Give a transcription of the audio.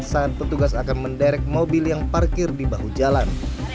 saat petugas akan menderek mobil yang parkir di bahu jalan